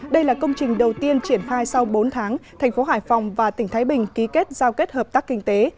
đây là công trình đầu tiên triển khai sau bốn tháng thành phố hải phòng và tỉnh thái bình ký kết giao kết hợp tác kinh tế